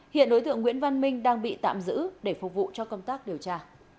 hiện đối tượng nguyễn văn minh đang bị tạm giữ để phục vụ cho công tác điều tra